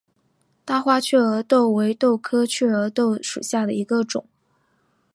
大花雀儿豆为豆科雀儿豆属下的一个种。